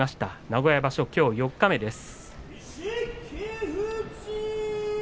名古屋場所きょう四日目です。